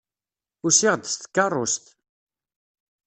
Usiɣ-d s tkeṛṛust.